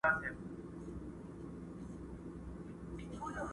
o چي سر دي درد نه کوي، داغ مه پر ايږده!